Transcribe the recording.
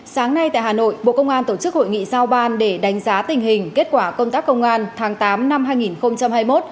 sáng nay tại hà nội bộ công an tổ chức hội nghị giao ban để đánh giá tình hình kết quả công tác công an tháng tám năm hai nghìn hai mươi một